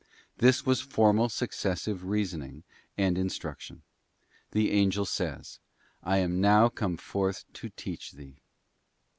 This was formal successive reasoning and instruction: the Angel says, 'I am now come forth to teach thee.